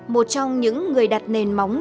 một trong những người đặt nền móng